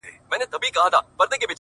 د دې لپاره چي ډېوه به یې راځي کلي ته،